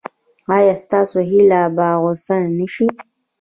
ایا ستاسو هیله به غوڅه نشي؟